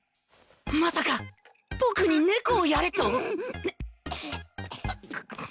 まさか僕に猫をやれと！？